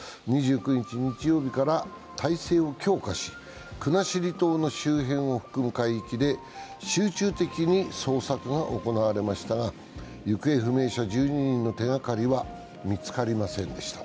２９日日曜日から態勢を強化し、国後島の周辺を含む海域で集中的に捜索が行われましたが、行方不明者１２人の手がかりは見つかりませんでした。